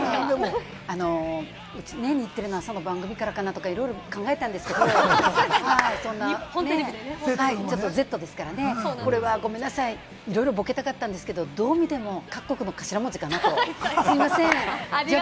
日テレの朝の番組からかな？とか、いろいろ考えたんですけれども、ちょっと「Ｚ」ですからね、これは。ごめんなさい、いろいろボケたかったんですけれども、どう見ても各国の頭文字かなと。